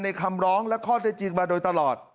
คำร้องและข้อได้จริงมาโดยตลอด